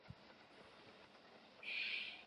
冰岛马是发展自冰岛的一个马品种。